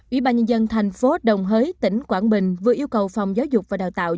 ủy ban nhân dân thành phố đồng hới tỉnh quảng bình vừa yêu cầu phòng giáo dục và đào tạo